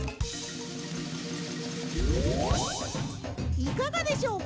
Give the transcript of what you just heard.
いかがでしょうか？